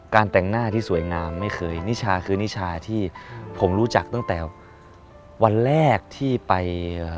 แต่งหน้าที่สวยงามไม่เคยนิชาคือนิชาที่ผมรู้จักตั้งแต่วันแรกที่ไปเอ่อ